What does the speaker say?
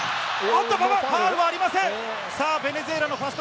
馬場、ファウルはありません。